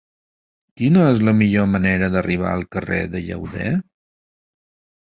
Quina és la millor manera d'arribar al carrer de Llauder?